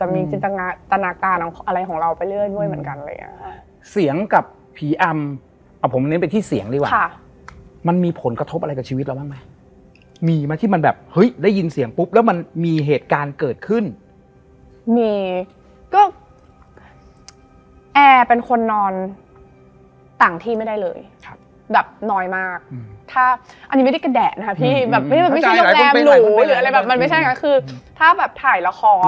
มันต้องไปพูดอะไรไปแบบลบหลู่อะไรอะไรแน่เลย